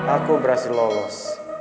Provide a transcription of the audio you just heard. aku berhasil lolos